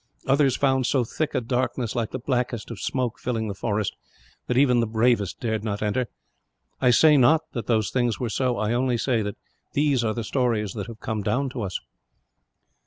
Others found so thick a darkness, like the blackest of smoke, filling the forest, that even the bravest dare not enter. I say not that those things were so; I only say that these are the stories that have come down to us."